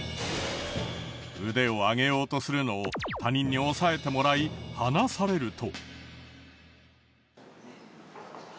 腕を上げようとするのを他人に押さえてもらい離されると。